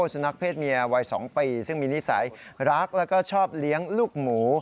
สุนัขเพศเมียวัย๒ปีซึ่งมีนิสัยรักแล้วก็ชอบเลี้ยงลูกหมู